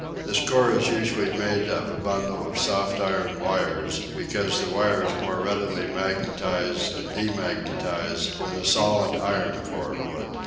This core is usually made of a bundle of soft iron wires, because the wires more readily magnetize and demagnetize than a solid iron core would.